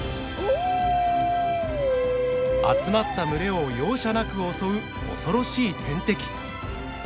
集まった群れを容赦なく襲う恐ろしい天敵。